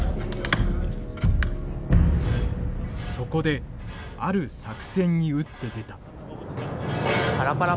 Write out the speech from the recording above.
そこである作戦に打って出た。